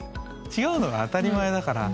違うのが当たり前だから。